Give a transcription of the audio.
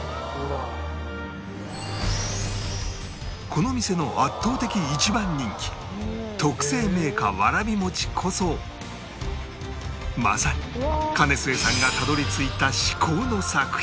この店の圧倒的一番人気特製名菓わらび餅こそまさに包末さんがたどり着いた至高の作品